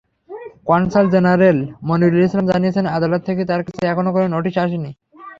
Consul general Monirul Islam জানিয়েছেন, আদালত থেকে তাঁর কাছে এখনো কোনো নোটিশ আসেনি।